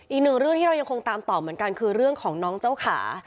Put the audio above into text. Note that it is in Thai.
อีกหนึ่งเรื่องที่เรายังคงตามต่อเหมือนกันคือเรื่องของน้องเจ้าขา